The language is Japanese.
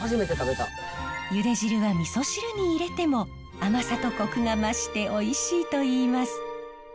ゆで汁はみそ汁に入れても甘さとコクが増しておいしいといいます。